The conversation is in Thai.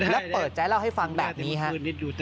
แล้วเปิดใจเล่าให้ฟังแบบนี้ครับ